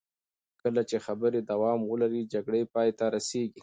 کله چې خبرې دوام ولري، جګړې پای ته رسېږي.